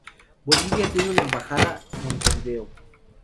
Bolivia tiene una embajada Montevideo.